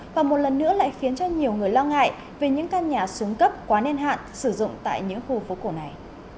và một lần nữa lại khiến cho nhiều người lo ngại về những căn nhà xuống cấp quá niên hạn sử dụng tại những khu phố cổ này